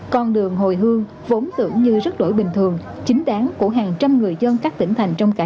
con đường hồi hương vốn tưởng như rất đổi bình thường chính đáng của hàng trăm người dân các tỉnh thành trong cả nước